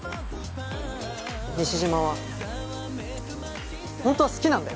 西島はホントは好きなんだよ